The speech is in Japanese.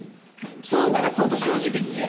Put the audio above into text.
そうならそうと正直に言え。